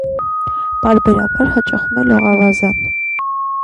Պարբերաբար հաճախում է լողավազան։